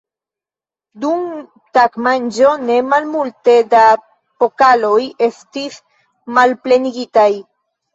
Dum tagmanĝo ne malmulte da pokaloj estis malplenigitaj!